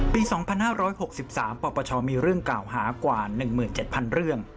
ปี๒๕๖๓ปปชมีเรื่องกล่าวหากว่า๑๗๐๐เรื่อง